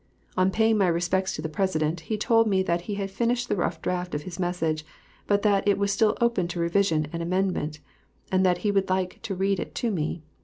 On paying my respects to the President, he told me that he had finished the rough draft of his message, but that it was still open to revision and amendment, and that he would like to read it to me.